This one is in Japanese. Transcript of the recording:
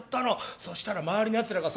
そしたら周りのやつらがさ